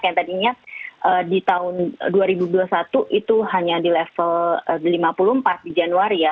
yang tadinya di tahun dua ribu dua puluh satu itu hanya di level lima puluh empat di januari ya